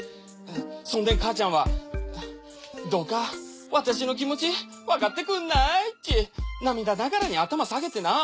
そんで母ちゃんはどうか私の気持ちわかってくんないっち涙ながらに頭さげてな。